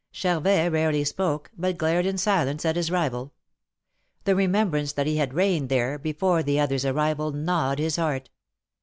Charvet rarely spoke, but glared in silence at his rival. The remembrance that he had reigned there, before the other's arrival, gnawed his heart.